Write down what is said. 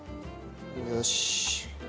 よし。